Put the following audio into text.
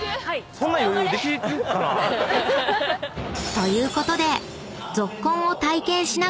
［ということで］